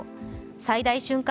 最大瞬間